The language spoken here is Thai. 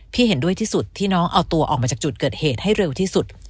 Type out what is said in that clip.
เห็นด้วยที่สุดที่น้องเอาตัวออกมาจากจุดเกิดเหตุให้เร็วที่สุด